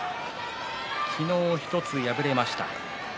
昨日１つ敗れました錦木。